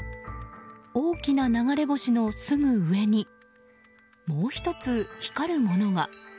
大きな流れ星のすぐ上にもう１つ、光るものが。